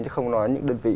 chứ không nói những đơn vị